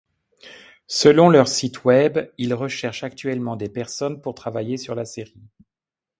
Selon leur site Web, ils recherchent actuellement des personnes pour travailler sur la série.